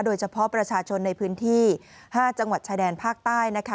โดยเฉพาะประชาชนในพื้นที่๕จังหวัดชายแดนภาคใต้นะคะ